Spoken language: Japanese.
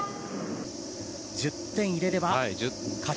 １０点入れれば勝ち。